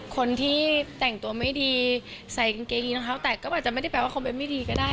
คนที่แต่งตัวไม่ดีใส่กางเกงยีรองเท้าแตกก็อาจจะไม่ได้แปลว่าคอมเมนต์ไม่ดีก็ได้